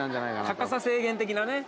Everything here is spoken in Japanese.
◆高さ制限的なね。